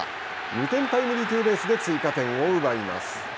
２点タイムリーツーベースで追加点を奪います。